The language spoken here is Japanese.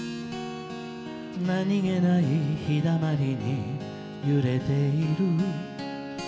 「何気ない陽溜りに揺れている」